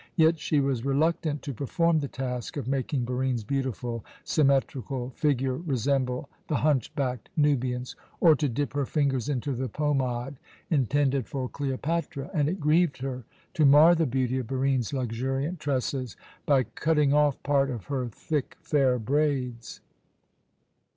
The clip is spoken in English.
Yet she was reluctant to perform the task of making Barine's beautiful, symmetrical figure resemble the hunch backed Nubian's, or to dip her fingers into the pomade intended for Cleopatra; and it grieved her to mar the beauty of Barine's luxuriant tresses by cutting off part of her thick fair braids.